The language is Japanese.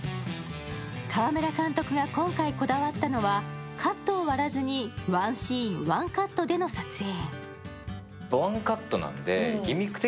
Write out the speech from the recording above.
川村監督が今回こだわったのは、カットを割らずにワンシーン・ワンカットでの撮影。